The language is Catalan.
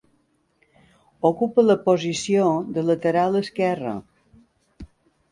Ocupa la posició de lateral esquerre.